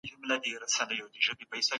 بې ځایه سوي خپلواکي سیاسي پریکړي نه سي کولای.